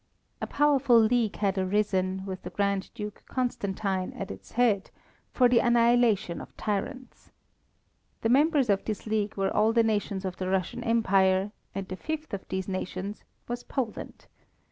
A powerful league had arisen, with the Grand Duke Constantine at its head, for the annihilation of tyrants. The members of this league were all the nations of the Russian Empire, and the fifth of these nations was Poland.